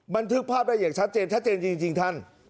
บันทึกภาพได้อย่างชัดเจนชัดเจนจริงท่าน